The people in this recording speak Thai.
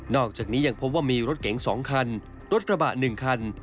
อกจากนี้ยังพบว่ามีรถเก๋ง๒คันรถกระบะ๑คัน